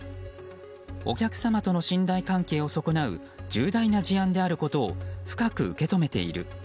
お客様との信頼関係を損なう重大な事案であることを深く受け止めている。